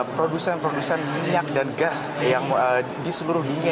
produsen produsen minyak dan gas yang di seluruh dunia